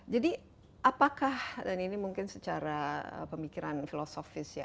jadi apakah dan ini mungkin secara pemikiran filosofis ya